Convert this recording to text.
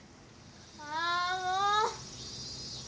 あもう！